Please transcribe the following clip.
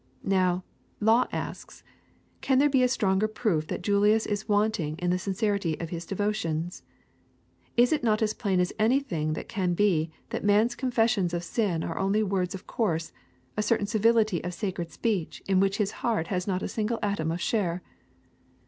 Now, Law asks, can there be a stronger proof that Julius is wanting in the sincerity of his devotions? Is it not as plain as anything can be that that man's confessions of sin are only words of course, a certain civility of sacred speech in which his heart has not a single atom of share?